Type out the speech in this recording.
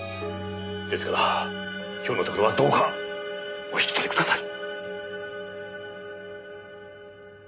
ですから今日のところはどうかお引き取りください。